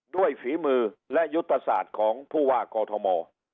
ด้วยฝีมือและยุตสาธารณ์ของผู้ว่ากอทม